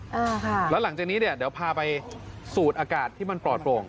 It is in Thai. อ่าค่ะแล้วหลังจากนี้เนี่ยเดี๋ยวพาไปสูดอากาศที่มันปลอดโปร่ง